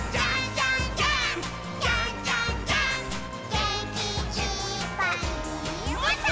「げんきいっぱいもっと」